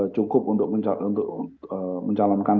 cukup untuk mencalonkan